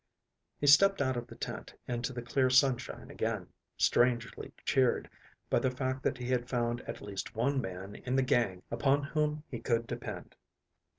He stepped out of the tent into the clear sunshine again, strangely cheered by the fact that he had found at least one man in the gang upon whom he could depend.